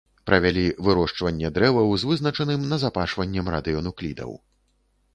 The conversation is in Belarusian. Правялі вырошчванне дрэваў з вызначаным назапашваннем радыенуклідаў.